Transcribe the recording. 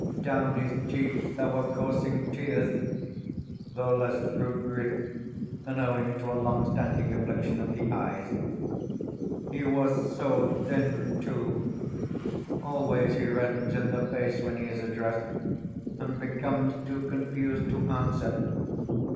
Down his cheeks there were coursing tears though less through grief than owing to a long standing affliction of the eyes. He was so thin, too! Always he reddens in the face when he is addressed, and becomes too confused to answer.